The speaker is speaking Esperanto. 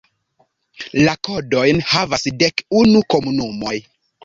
La kodojn havas dek unu komunumoj.